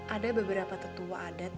ada beberapa tetua adat